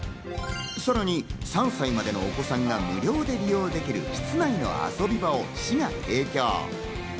さらに３歳までのお子さんが無料で利用できる室内の遊び場も市が提供。